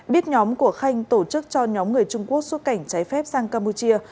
biết nhóm của khanh tổ chức cho nhóm người trung quốc xuất cảnh trái phép sang campuchia